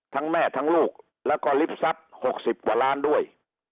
แม่ทั้งลูกแล้วก็ลิฟต์ทรัพย์๖๐กว่าล้านด้วย